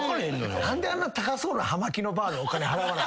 何であんな高そうな葉巻のバーにお金払わな。